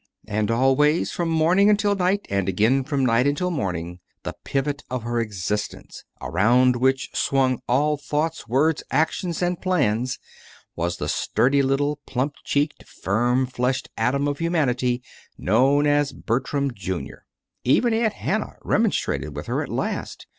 And always, from morning until night, and again from night until morning, the pivot of her existence, around which swung all thoughts, words, actions, and plans, was the sturdy little plump cheeked, firm fleshed atom of humanity known as Bertram, Jr. Even Aunt Hannah remonstrated with her at last.